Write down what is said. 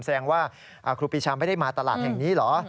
แสดงว่าครูปีชาไม่ได้มาตลาดแห่งนี้เหรอ